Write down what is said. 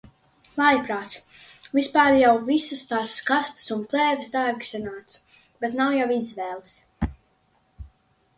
Vājprāts. Vispār jau visas tās kastes un plēves dārgi sanāca, bet nav jau izvēles.